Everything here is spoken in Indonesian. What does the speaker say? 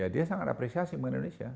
dia sangat apresiasi mengenai indonesia